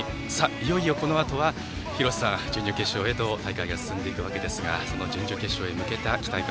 いよいよ、このあとは準々決勝へと大会が進んでいくわけですが準々決勝に向けた期待感